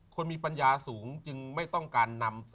คนมีปัญญาสูงจึงไม่ต้องการนำ